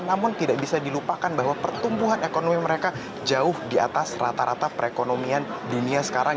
namun tidak bisa dilupakan bahwa pertumbuhan ekonomi mereka jauh di atas rata rata perekonomian dunia sekarang